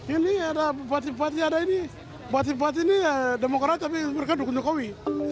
ini ada partai partai ada ini partai partai ini demokrat tapi mereka dukung jokowi